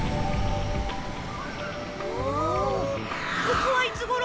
ここはいつごろ？